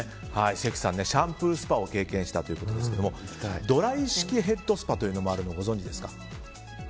関さん、シャンプースパを経験したということですがドライ式ヘッドスパというのもあるの、ご存じですか。